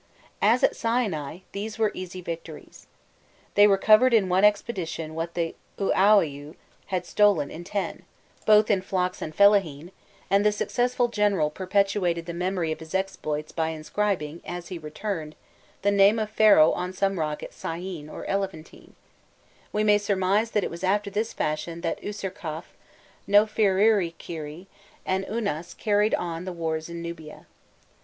As at Sinai, these were easy victories. They recovered in one expedition what the Ûaûaiû had stolen in ten, both in flocks and fellahîn, and the successful general perpetuated the memory of his exploits by inscribing, as he returned, the name of Pharaoh on some rock at Syene or Elephantine: we may surmise that it was after this fashion that Usirkaf, Nofiririkerî, and Unas carried on the wars in Nubia.